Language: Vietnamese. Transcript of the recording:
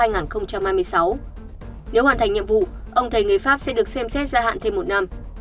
nếu hoàn thành nhiệm vụ ông thầy người pháp sẽ được xem xét gia hạn thêm một năm